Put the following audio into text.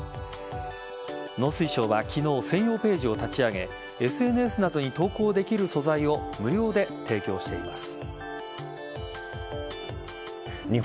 農水省は昨日専用ページを立ち上げＳＮＳなどに投稿できる素材を無料で提供しています。